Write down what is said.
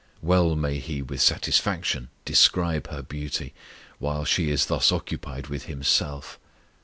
Well may He with satisfaction describe her beauty while she is thus occupied with Himself!